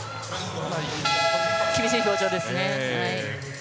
厳しい表情ですね。